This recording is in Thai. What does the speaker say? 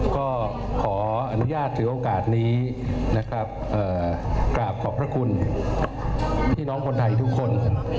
ก็ขออนุญาตถือโอกาสนี้นะครับกราบขอบพระคุณพี่น้องคนไทยทุกคน